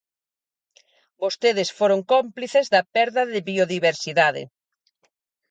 Vostedes foron cómplices da perda de biodiversidade.